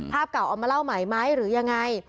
ภาพเก่าเอามาเล่าใหม่ไหมหรือยังไง